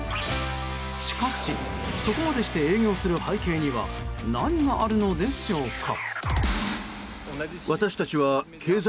しかし、そこまでして営業する背景には何があるのでしょうか。